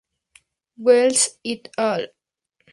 Wells "et al.